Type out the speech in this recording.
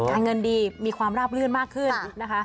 การเงินดีมีความราบลื่นมากขึ้นนะคะ